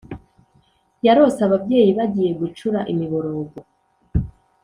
yarose ababyeyi bagiye gucura imiborogo